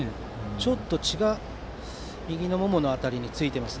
ちょっと血が右のももの辺りについています。